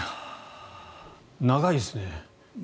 長いですね。